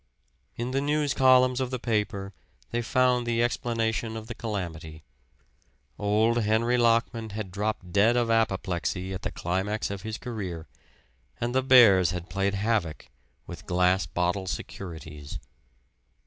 In the news columns of the paper they found the explanation of the calamity old Henry Lockman had dropped dead of apoplexy at the climax of his career, and the bears had played havoc with "Glass Bottle Securities."